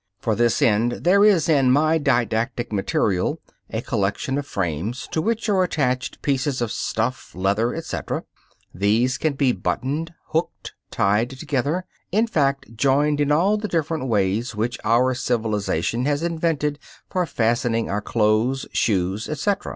For this end there is in my didactic material a collection of frames to which are attached pieces of stuff, leather, etc. These can be buttoned, hooked, tied together in fact, joined in all the different ways which our civilization has invented for fastening our clothing, shoes, etc. (Fig.